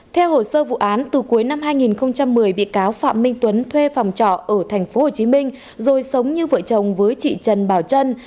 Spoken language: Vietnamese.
theo hồ sơ vụ án từ cuối năm hai nghìn một mươi bị cáo phạm minh tuấn thuê phòng trọ ở tp hcm rồi sống như vợ chồng với chị trần bảo trân